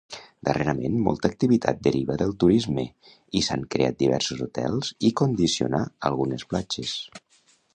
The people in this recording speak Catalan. Darrerament molta activitat deriva del turisme i s'han creat diversos hotels i condicionar algunes platges.